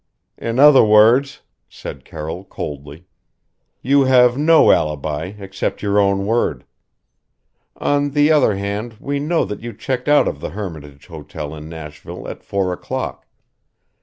"In other words," said Carroll coldly, "You have no alibi except your own word. On the other hand we know that you checked out of the Hermitage Hotel in Nashville at four o'clock.